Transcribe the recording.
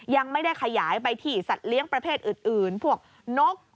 ยังไม่ได้ขยายไปที่สัตว์เลี้ยงประเภทอื่นพวกนก